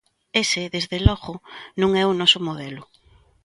Ese, desde logo, non é o noso modelo.